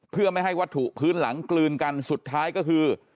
เพื่อไม่ให้วัตถุพื้นหลังกลืนกันสุดท้ายก็คือ